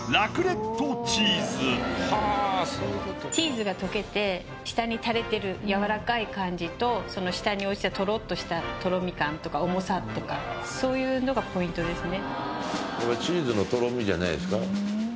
チーズが溶けて下にたれてる柔らかい感じとその下に落ちたトロっとしたとろみ感とか重さとかそういうのがポイントですね。